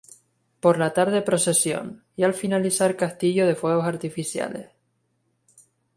Por la tarde Procesión, y al finalizar Castillo de Fuegos Artificiales.